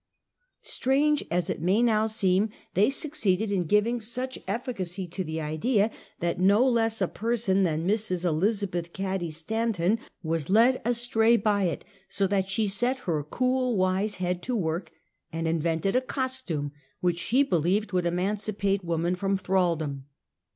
Strange as it may now seem, they succeeded in giv ing such efficacy to the idea, that no less a person than Mrs. Elizabeth Cad}' Stanton was led astray by it, so that slie set her cool, wise head to work and invented a costume, which she believed would emancipate woman from thraldom.